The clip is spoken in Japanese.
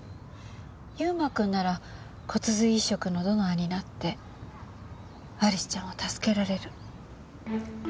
優馬くんなら骨髄移植のドナーになってアリスちゃんを助けられる。